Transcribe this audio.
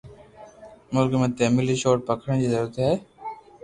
ملڪ ۾ تعليمي شعور پکيڙڻ جي ضرورت آهي.